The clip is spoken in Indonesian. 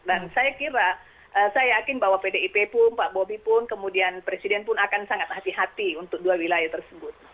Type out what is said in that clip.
dan saya kira saya yakin bahwa pdip pun pak bobi pun kemudian presiden pun akan sangat hati hati untuk dua wilayah tersebut